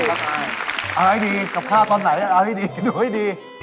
เอาให้ดีกับข้าวตอนไหนเอาให้ดีดูให้ดี